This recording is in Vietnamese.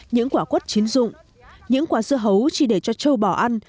những quả quất chiến dụng những quả dưa hấu chỉ để cho trâu bò ăn